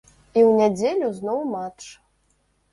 І ў нядзелю зноў матч.